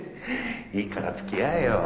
いいからつきあえよ。